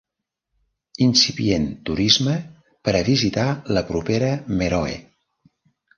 Incipient turisme per a visitar la propera Meroe.